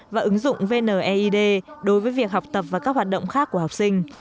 và ứng dụng vneid đối với việc học tập và các hoạt động khác của học sinh